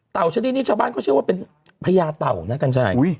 ชนิดนี้ชาวบ้านเขาเชื่อว่าเป็นพญาเต่านะกัญชัย